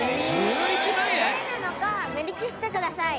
どれなのか目利きしてください。